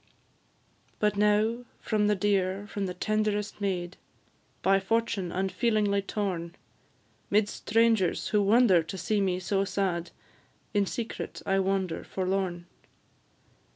But now from the dear, from the tenderest maid, By fortune unfeelingly torn; 'Midst strangers, who wonder to see me so sad, In secret I wander forlorn.